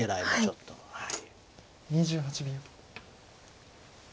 ２８秒。